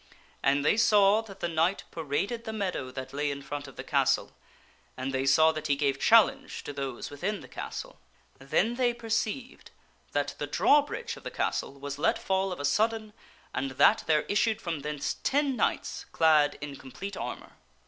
And they saw that the knight paraded the meadow that lay m front of the castle, and they saw that he gave challenge to those within the castle. Then they perceived that the drawbridge of the castle was THE STORY OF SIR PELLIAS let fall of a sudden and that there issued from thence ten knights clad in complete armor.